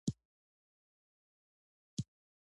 غزني د افغانستان د موسم د بدلون یو اساسي سبب کېږي.